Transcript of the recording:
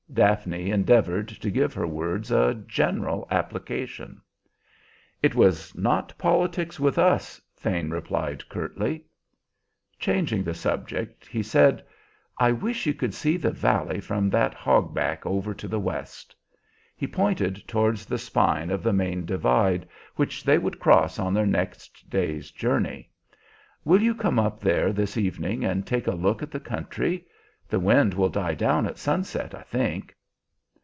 Daphne endeavored to give her words a general application. "It was not politics with us," Thane replied curtly. Changing the subject, he said, "I wish you could see the valley from that hogback over to the west." He pointed towards the spine of the main divide, which they would cross on their next day's journey. "Will you come up there this evening and take a look at the country? The wind will die down at sunset, I think."